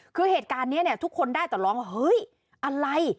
คือเหตุการณ์เนี้ยทุกคนได้ตลอดว่าเฮ้ยอะไร